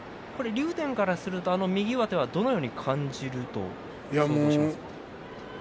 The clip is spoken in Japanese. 竜電からすると右上手はどのように感じるんですか？